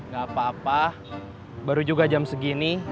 gak apa apa baru juga jam segini